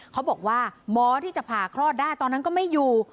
เขาบอกว่าหมอที่จะผ่าคลอดได้ตอนนั้นก็ไม่อยู่